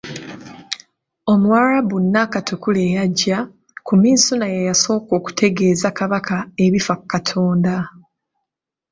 Omuwarabu Nakatukula eyajja, ku Misuuna ye yasooka okutegeeza Kabaka ebifa ku Katonda.